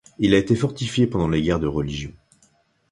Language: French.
Il a été fortifié pendant les Guerres de Religion.